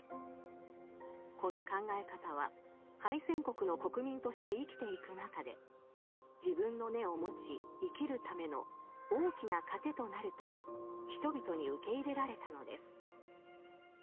この考え方は敗戦国の国民として生きていく中で自分の根を持ち生きるための大きな糧となると人々に受け入れられたのです。